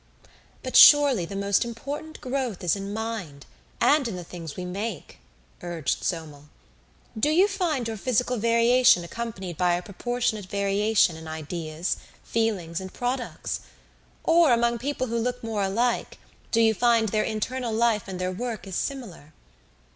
"But surely the most important growth is in mind and in the things we make," urged Somel. "Do you find your physical variation accompanied by a proportionate variation in ideas, feelings, and products? Or, among people who look more alike, do you find their internal life and their work as similar?"